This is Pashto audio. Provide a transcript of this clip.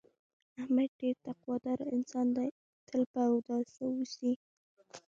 احمد ډېر تقوا داره انسان دی، تل په اوداسه اوسي.